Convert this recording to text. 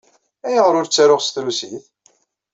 Ayɣer ur ttaruɣ s trusit?